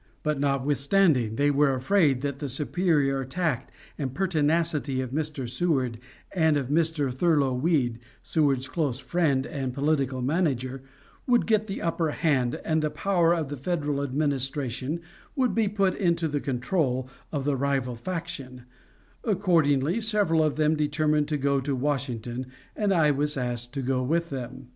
But, notwithstanding, they were afraid that the superior tact and pertinacity of Mr. Seward and of Mr. Thurlow Weed, Seward's close friend and political manager, would get the upper hand, and that the power of the Federal administration would be put into the control of the rival faction; accordingly, several of them determined to go to Washington, and I was asked to go with them.